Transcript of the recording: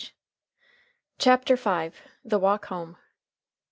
] CHAPTER V. THE WALK HOME.